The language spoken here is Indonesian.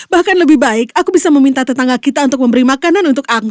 bahkan lebih baik aku bisa meminta tetangga kita untuk memberi makanan untuk aku